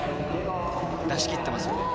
出し切ってます。